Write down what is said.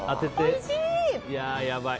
やばい。